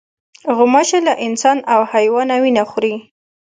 غوماشه له انسان او حیوانه وینه خوري.